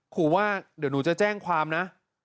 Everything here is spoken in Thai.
ขอว่าเดี๋ยวหนูจะแจ้งความนะ